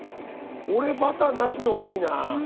俺はバターなしのほうがいいな。